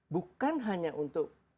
bukan hanya untuk